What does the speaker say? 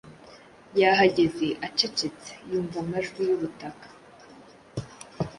Yahagaze acecetse, yumva amajwi yubutaka